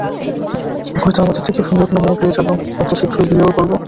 হয়তো আমাদের থেকেও সুন্দর কোন মেয়ে পেয়ে যাবে, হয়তো শ্রীঘই বিয়েও করবে।